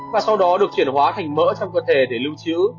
và sau đó được chuyển hóa thành mỡ trong cơ thể để lưu trữ